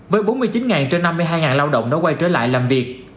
với bốn mươi chín trên năm mươi hai lao động đã quay trở lại làm việc